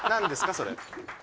それ。